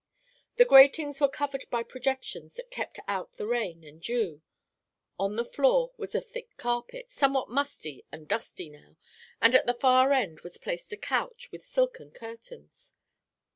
The gratings were covered by projections that kept out the rain and dew. On the floor was a thick carpet, somewhat musty and dusty now, and at the far end was placed a couch with silken curtains.